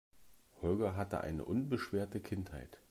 Holger hatte eine unbeschwerte Kindheit.